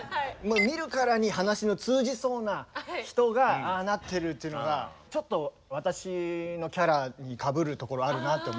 見るからに話の通じそうな人がああなってるっていうのがちょっと私のキャラにかぶるところあるなって思って。